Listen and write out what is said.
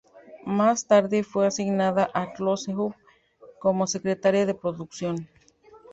Más tarde fue asignada a "Close Up" como secretaría de producción.